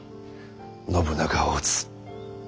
「信長を討つ」